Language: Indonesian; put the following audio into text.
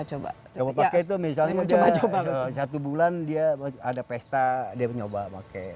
coba coba pakai itu misalnya udah satu bulan dia ada pesta dia nyoba pakai